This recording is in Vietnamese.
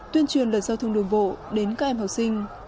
tuyên truyền luật giao thông đường bộ đến các em học sinh